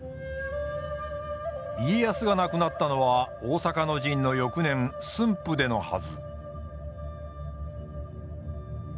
家康が亡くなったのは大坂の陣の翌年駿府でのはず。